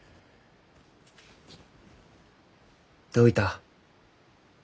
どういた？